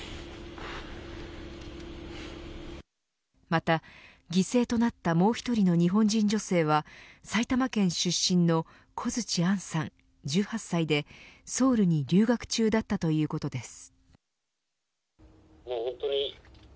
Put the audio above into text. また犠牲となったもう１人の日本人女性は埼玉県出身の小槌杏さん１８歳でソウルに留学中だったということです。